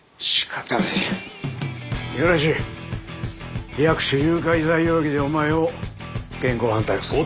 日暮略取誘拐罪容疑でお前を現行犯逮捕する。